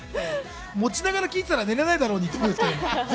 持ちながら聴いてたら寝れないだろうにって思うんですけど。